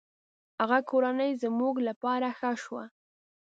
هغه کورنۍ زموږ له پاره ښه شوه.